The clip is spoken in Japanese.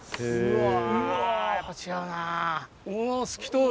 すごい。